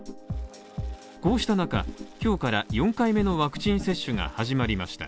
こうした中、今日から４回目のワクチン接種が始まりました。